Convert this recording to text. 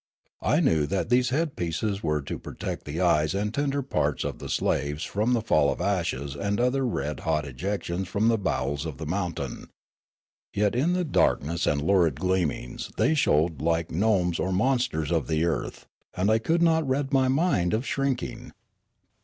I knew that these headpieces were to protect the e5'es and tender parts of the slaves from the fall of ashes and other red hot ejections from the bowels of the mountain. Yet in the darkness and lurid gleamings they showed like gnomes or monsters of the earth, and I could not rid my mind of shrinking.